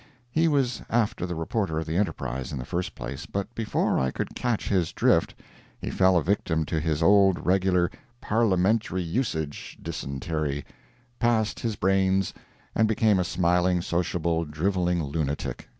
[He was after the reporter of the ENTERPRISE, in the first place, but before I could catch his drift, he fell a victim to his old regular "parliamentary usage" dysentery,—passed his brains, and became a smiling, sociable, driveling lunatic.